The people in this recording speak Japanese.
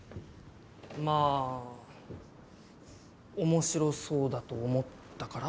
まあ面白そうだと思ったから？